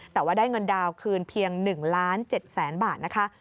แต่ว่าได้เงินดาวคืนเพียง๑๗๐๐๐๐๐บาทนะคะ